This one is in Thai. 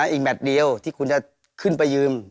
อีกแมทเดียวที่คุณจะขึ้นไปยืม